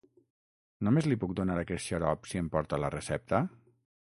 Només li puc donar aquest xarop si em porta la recepta?